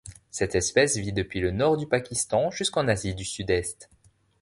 Cette espèce vit depuis le Nord du Pakistan jusqu'en Asie du Sud-Est.